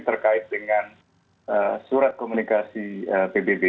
terkait dengan surat komunikasi pbb